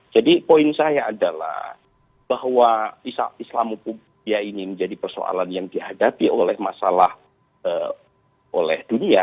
jadi poin saya adalah bahwa islamophobia ini menjadi persoalan yang dihadapi oleh masalah oleh dunia